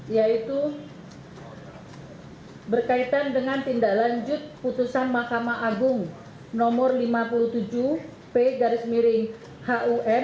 yaitu berkaitan dengan tindak lanjut putusan mahkamah agung nomor lima puluh tujuh p garis miring hum